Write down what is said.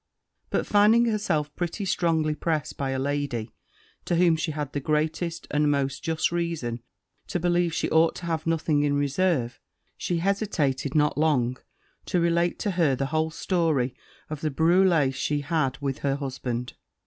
But finding herself pretty strongly pressed by a lady to whom she had the greatest and most just reason to believe she ought to have nothing in reserve, she hesitated not long to relate to her the whole story of the brulée she had with her husband.